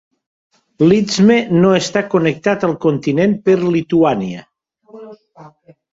L'Istme no està connectat al continent per Lituània.